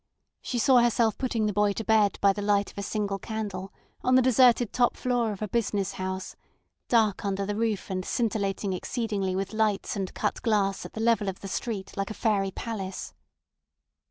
She saw herself putting the boy to bed by the light of a single candle on the deserted top floor of a "business house," dark under the roof and scintillating exceedingly with lights and cut glass at the level of the street like a fairy palace.